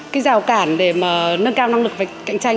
cái rào cản để mà nâng cao năng lực và cạnh tranh